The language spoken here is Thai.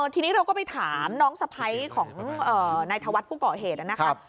ทีนี้เราก็ไปถามน้องสะพ้ายของนายธวัฒน์ผู้ก่อเหตุนะครับ